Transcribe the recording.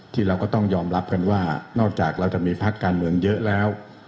ที่เราก็ต้องยอมรับกันว่านอกจากเราจะมีพักการเมืองเยอะแล้ว